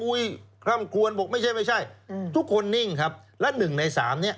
อุ้ยค่ำควรบอกไม่ใช่ทุกคนนิ่งครับและ๑ใน๓เนี่ย